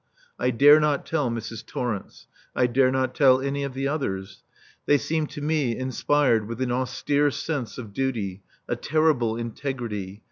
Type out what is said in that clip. I dare not tell Mrs. Torrence. I dare not tell any of the others. They seem to me inspired with an austere sense of duty, a terrible integrity.